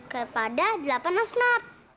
kepada delapan esnat